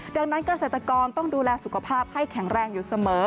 ดังนั้นเกษตรกรต้องดูแลสุขภาพให้แข็งแรงอยู่เสมอ